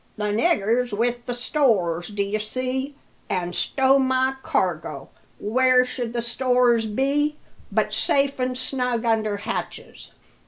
The nigger's with the stores, d'ye see; an' stow my cargo, where should the stores be but safe and snug under hatches?"